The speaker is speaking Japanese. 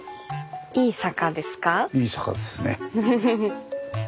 いい坂ですか？